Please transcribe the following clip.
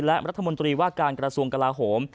และรัฐมนตรีว่าการกระทรวงกลาโหม